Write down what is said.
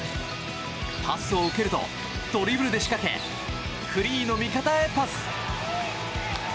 パスを受けるとドリブルで仕掛けフリーの味方へパス。